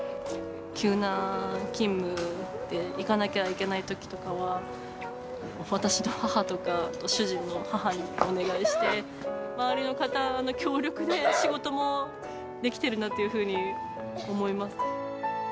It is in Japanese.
急な勤務で行かなきゃいけないときとかは、私の母とか主人の母にお願いして、周りの方の協力で仕事もできてるなっていうふうに思います。